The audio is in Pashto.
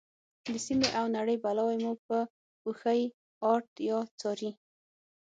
د سیمې او نړۍ بلاوې مو په اوښیártیا څاري.